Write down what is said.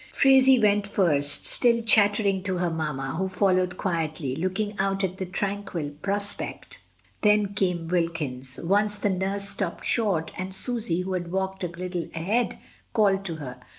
Phraisie went first, still chattering to her mamma, who followed quietly, looking out at the tranquil prospect; then came Wilkins. Once the nurse stopped short, and Susy, who had walked a little ahead, called to her.